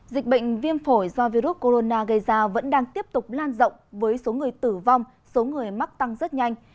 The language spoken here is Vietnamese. dịch bệnh viêm phổi do virus corona gây ra vẫn đang tiếp tục lan rộng với số người tử vong số người mắc tăng rất nhanh